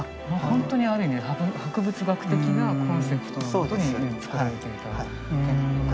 本当にある意味で博物学的なコンセプトのもとに作られていたと。